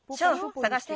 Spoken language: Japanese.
さがして！